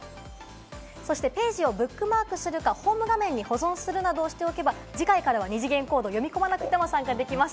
そしてページをブックマークするか、ホーム画面に保存するなどすると、次回からは二次元コードを読み込まなくても参加できます。